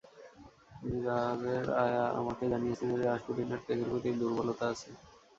জারের আয়া আমাকে জানিয়েছে যে রাসপুটিনের কেকের প্রতি দুর্বলতা আছে।